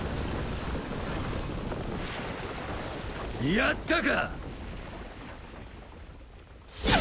やったか！？